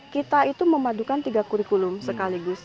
kita itu memadukan tiga kurikulum sekaligus